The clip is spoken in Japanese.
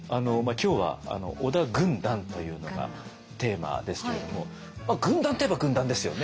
今日は織田軍団というのがテーマですけれども軍団と言えば軍団ですよね。